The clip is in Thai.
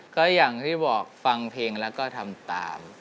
ก็อย่างที่บอกฟังเพลงแล้วก็ทำตาม